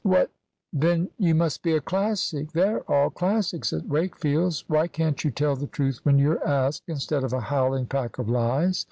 "What then you must be a Classic! They're all Classics at Wakefield's. Why can't you tell the truth when you're asked, instead of a howling pack of lies?"